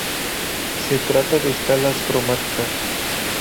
Se trata de escalas cromáticas.